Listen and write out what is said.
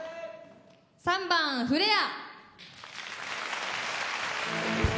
３番「フレア」。